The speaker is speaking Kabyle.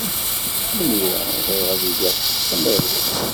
Imir-a, bɣiɣ ad iliɣ d tamarut.